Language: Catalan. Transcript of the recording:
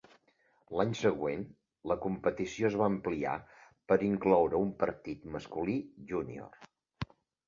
L'any següent, la competició es va ampliar per incloure un partit masculí júnior.